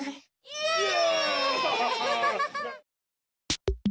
イエイ！